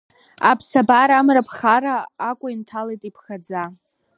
Аԥсабара амра ԥхара, Акәа инҭалеит иԥхаӡа.